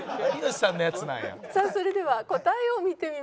さあそれでは答えを見てみましょう。